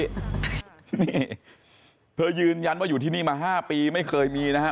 นี่เธอยืนยันว่าอยู่ที่นี่มา๕ปีไม่เคยมีนะฮะ